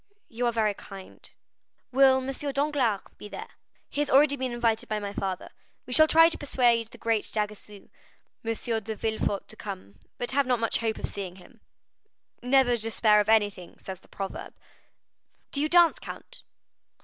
"You are very kind." "Will M. Danglars be there?" "He has already been invited by my father. We shall try to persuade the great d'Aguesseau,11 M. de Villefort, to come, but have not much hope of seeing him." "'Never despair of anything,' says the proverb." "Do you dance, count?"